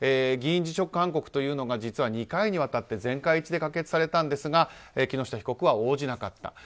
議員辞職勧告というのが実は２回にわたって全会一致で可決されたんですが木下被告は応じなかった。